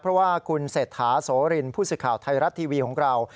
เพราะว่าคุณเศรษฐาโสรินผู้สื่อข่าวไทยรัฐทีวีของเรา